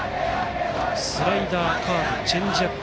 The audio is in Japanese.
スライダー、カーブチェンジアップ。